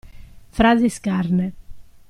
Frasi scarne.